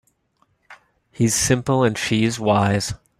He's simple and she's wise.